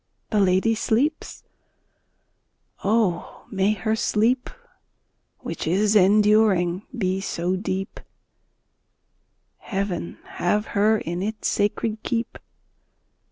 The lady sleeps! Oh, may her sleep Which is enduring, so be deep! Heaven have her in its sacred keep!